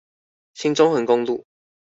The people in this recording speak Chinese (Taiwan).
新中橫公路